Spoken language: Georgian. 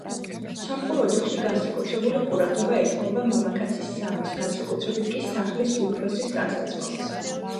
სომხურ ოჯახში განსაკუთრებული ყურადღება ეთმობოდა მამაკაცის სამოსს, განსაკუთრებით კი სახლის უფროსის ტანსაცმელს.